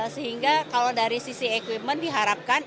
sehingga kalau dari sisi equipment diharapkan